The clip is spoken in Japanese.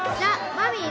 ・マミィ